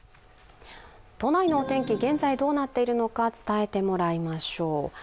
都内のお天気、現在どうなっているのか伝えてもらいましょう。